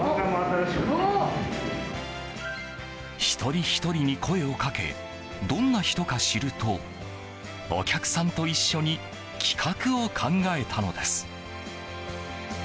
一人ひとりに声をかけどんな人か知るとお客さんと一緒に企画を考えたのです。